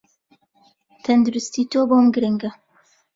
تەندروستی تۆ بۆم گرینگە